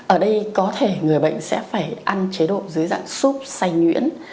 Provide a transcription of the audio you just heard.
ở đây có thể người bệnh sẽ phải ăn chế độ dưới dạng xúc xay nhuyễn